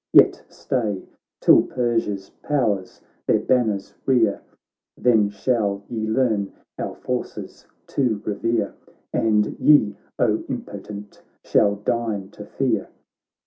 "Yet stay, till Persia's powers their ban ners rear, Then shall ye learn our forces to revere, .And ye, O impotent, shall deign to fear!